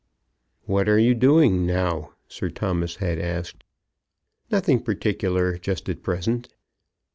"What are you doing now?" Sir Thomas had asked. "Nothing particular just at present."